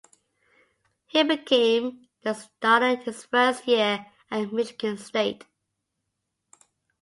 He became the starter his first year at Michigan State.